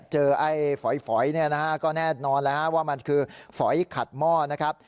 ไอ้ฝอยเนี่ยนะฮะก็แน่นอนแล้วว่ามันคือฝอยขัดหม้อนะครับ